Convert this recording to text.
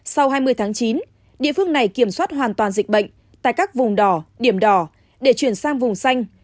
sau hai mươi tháng chín địa phương này kiểm soát hoàn toàn dịch bệnh tại các vùng đỏ điểm đỏ để chuyển sang vùng xanh